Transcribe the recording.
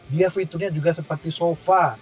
dia fiturnya juga seperti sofa